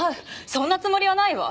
そんなつもりはないわ！